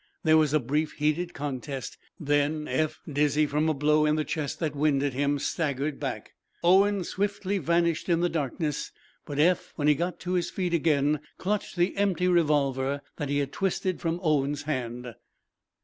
There was a brief, heated contest. Then Eph, dizzy from a blow in the chest that winded him, staggered back. Owen swiftly vanished in the darkness, but Eph, when he got to his feet again, clutched the empty revolver that he had twisted from Owen's hand.